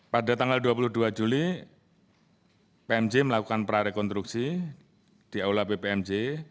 pada tanggal dua puluh dua juli pmj melakukan prarekonstruksi di aula bpmj